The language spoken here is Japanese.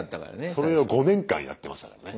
それを５年間やってましたからね。